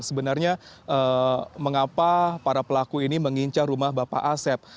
sebenarnya mengapa para pelaku ini mengincar rumah bapak asep